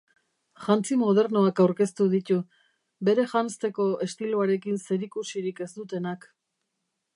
Jantzi modernoak aurkeztu ditu, bere janzteko estiloarekin zerikusirik ez dutenak.